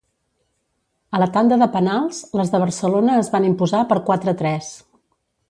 A la tanda de penals, les de Barcelona es van imposar per quatre-tres.